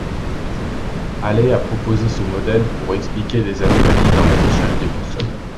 Halley a proposé ce modèle pour expliquer des anomalies dans l'affichage des boussoles.